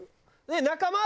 「仲間？」